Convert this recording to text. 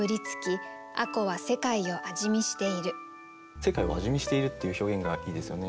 「世界を味見している」っていう表現がいいですよね。